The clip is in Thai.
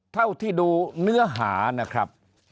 เท่าที่ดูเนื้อหานะครับ